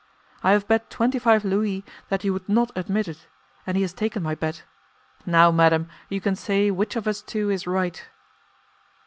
I have bet twenty five Louis that you would not admit it, and he has taken my bet. Now, madam, you can say which of us two is right.